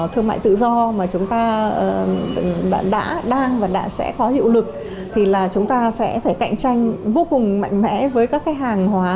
thương mại tự do mà chúng ta đã đang và đã có hiệu lực thì là chúng ta sẽ phải cạnh tranh vô cùng mạnh mẽ với các cái hàng hóa